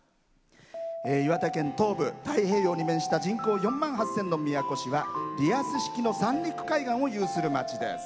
岩手県東部、太平洋に面した人口４万８０００人の宮古市はリアス式の三陸海岸を有する町です。